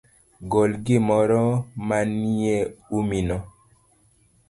Gol gimoro manieumino.